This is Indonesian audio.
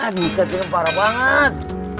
bisa tien parah banget